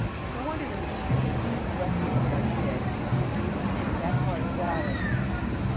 No wonder "the machine" rested where it did and gave its name to that part of the valley.